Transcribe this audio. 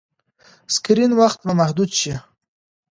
سکرین وخت به محدود شي.